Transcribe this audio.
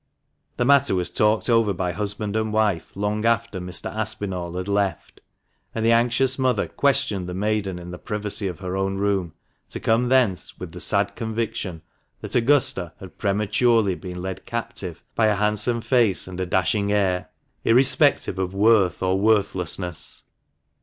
The matter was talked over by husband and wife long after Mr. Aspinall had left ; and the anxious mother questioned the maiden in the privacy of her own room, to come thence with the sad conviction that Augusta had prematurely been led captive THE MANCHESTER MAN. 283 by a handsome face and a dashing air, irrespective of worth or worthlessness.